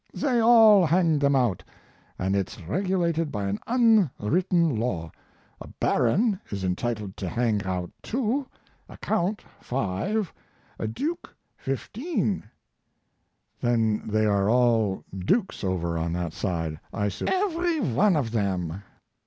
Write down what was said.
They all hang them out. And it's regulated by an unwritten law. A baron is entitled to hang out two, a count five, a duke fifteen " "Then they are all dukes over on that side, I sup " "Every one of them.